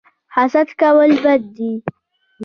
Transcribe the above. حسد کول بد دي